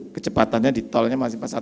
kecepatannya di tolnya masih pas satu